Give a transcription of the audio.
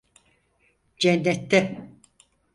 Cennette.